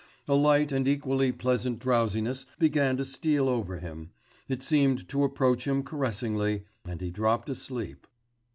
A light and equally pleasant drowsiness began to steal over him, it seemed to approach him caressingly, and he dropped asleep